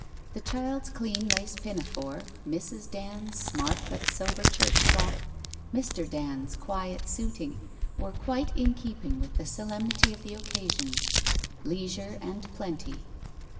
The child's clean lace pinafore, Mrs. Dand's smart but sober church frock, Mr. Dand's quiet suiting, were quite in keeping with the solemnity of the occasion. Leisure and plenty.